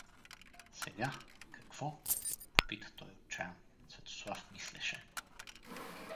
— Сега? Какво? — попита той отчаян. Светослав мислеше.